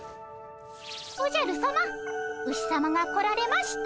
おじゃるさまウシさまが来られました。